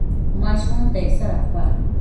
Ma shunta icsa dapa?